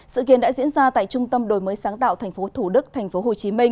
sự kiến đã diễn ra tại trung tâm đổi mới sáng tạo tp thủ đức tp hcm